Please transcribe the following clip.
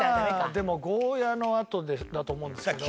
でもゴーヤのあとだと思うんですけど。